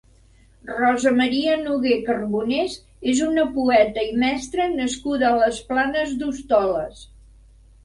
Rosa Maria Noguer Carbonés és una poeta i mestra nascuda a les Planes d'Hostoles.